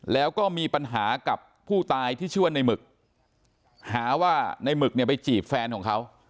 แล้วก็มีปัญหากับผู้ตายที่ชื่อว่าในหมึกหาว่าในหมึกเนี่ยไปจีบแฟนของเขา